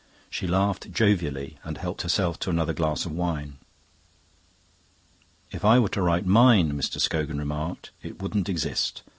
She laughed jovially, and helped herself to another glass of wine. "If I were to write mine," Mr. Scogan remarked, "it wouldn't exist.